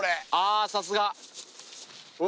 あさすが！